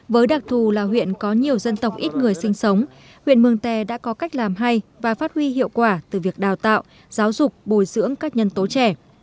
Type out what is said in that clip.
với đặc thù là huyện có nhiều dân tộc ít người sinh sống huyện mường tè đã có cách làm hay và phát huy hiệu quả từ việc đào tạo giáo dục bồi dưỡng các nhân tố trẻ